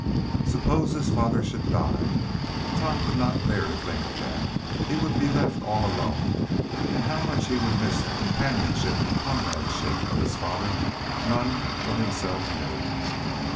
Suppose his father should die? Tom could not bear to think of that. He would be left all alone, and how much he would miss the companionship and comradeship of his father none but himself knew.